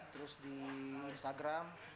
terus di instagram